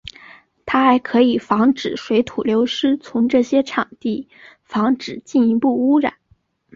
它还可以防止水土流失从这些场地防止进一步污染。